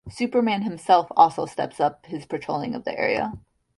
Superman himself also steps up his patrolling of the area.